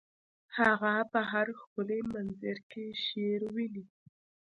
هغه په هر ښکلي منظر کې شعر ویني